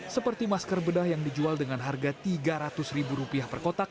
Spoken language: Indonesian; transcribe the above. seperti masker bedah yang dijual dengan harga tiga ratus ribu rupiah per kotak